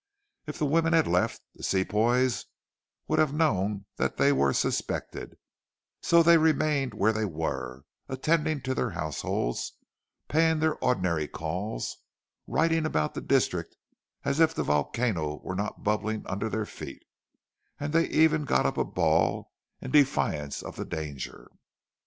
If the women had left, the Sepoys would have known that they were suspected, so they remained where they were, attending to their households, paying their ordinary calls, riding about the district as if the volcano were not bubbling under their feet, and they even got up a ball in defiance of the danger.